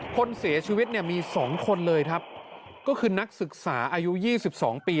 คนเสียชีวิตเนี่ยมีสองคนเลยครับก็คือนักศึกษาอายุยี่สิบสองปี